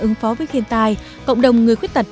ứng phó với thiên tai cộng đồng người khuyết tật